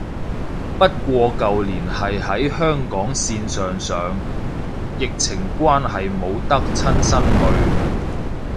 不過舊年係喺香港線上上，疫情關係冇得親身去